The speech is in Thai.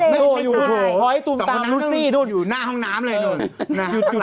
เมื่อก่อนที่รู้สึกเหมือนพลอยจะอยู่ใกล้